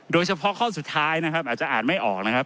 โดยเฉพาะข้อสุดท้ายนะครับอาจจะอ่านไม่ออกนะครับ